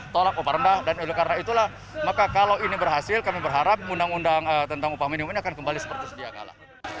tolak upah rendah dan oleh karena itulah maka kalau ini berhasil kami berharap undang undang tentang upah minimum ini akan kembali seperti sedia kala